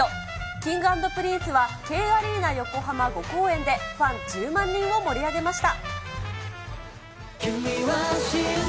Ｋｉｎｇ＆ＰｒｉｎｃｅはＫアリーナ横浜５公演で、ファン１０万人を盛り上げました。